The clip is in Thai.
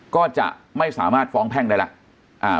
ก็จะไม่สามารถฟ้องแพ่งได้แล้ว